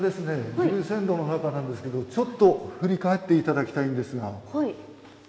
龍泉洞の中なんですけどちょっと振り返っていただきたいんですが。